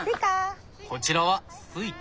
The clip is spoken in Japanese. こちらはスイカ。